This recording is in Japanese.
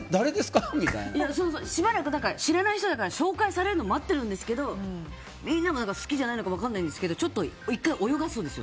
私もしばらくは知らない人だから紹介されるのを待っているんですけどみんなも好きじゃないのか分からないですけどちょっと１回泳がすんですよ